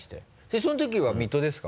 その時は水戸ですか？